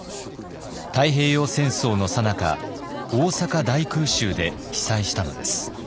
太平洋戦争のさなか大阪大空襲で被災したのです。